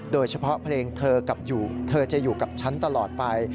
โดยเฉพาะเพลงเธอเธอจะอยู่กับฉันตลอดไป